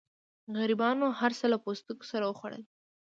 غریبانو هر څه له پوستکو سره وخوړل.